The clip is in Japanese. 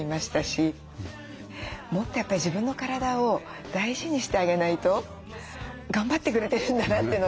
もっとやっぱり自分の体を大事にしてあげないと頑張ってくれてるんだなというのを